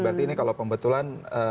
berarti ini kalau pembetulan